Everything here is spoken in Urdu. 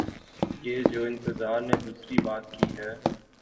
یہ جو انتظار نے دوسری بات کی ہے۔